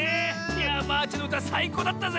ヤマーチェのうたさいこうだったぜ。